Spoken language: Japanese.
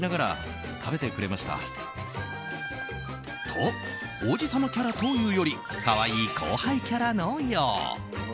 と、王子様キャラというより可愛い後輩キャラのよう。